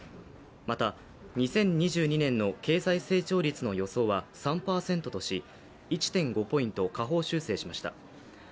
また２０２２年の経済成長率の予想は３％とし１．５ポイント下方修正しました。